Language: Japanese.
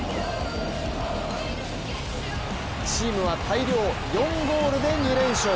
チームは大量４ゴールで２連勝。